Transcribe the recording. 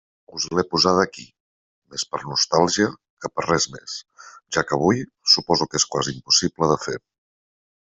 Us l'he posada aquí, més per nostàlgia que per res més, ja que avui suposo que és quasi impossible de fer.